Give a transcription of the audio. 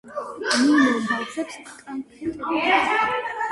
ნინომ ბავშვებს კანფეტები აჩუქა.